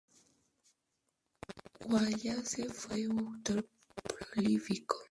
Wallace fue un autor prolífico.